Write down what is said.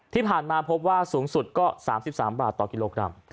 ที่ผ่านมาพบว่าสูงสุดก็๓๓บาทต่อกิโลกรัม